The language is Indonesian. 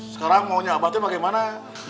sekarang mau nyabatnya bagaimana